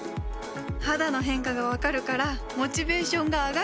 肌の変化が分かるからモチベーションが上がる！